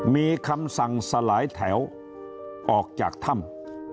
มีคำสั่งสลายแถวออกจากถ้ำ